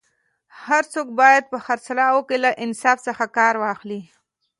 هر څوک باید په خرڅولو کي له انصاف څخه کار واخلي